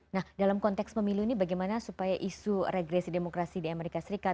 nah dalam konteks pemilu ini bagaimana supaya isu regresi demokrasi di amerika serikat